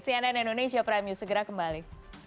cnn indonesia prime news segera kembali